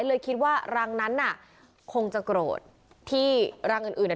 เลยคิดว่ารังนั้นน่ะคงจะโกรธที่รังอื่นอื่นอ่ะ